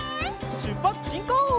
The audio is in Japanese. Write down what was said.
しゅっぱつしんこう！